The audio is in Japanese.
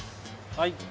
はい。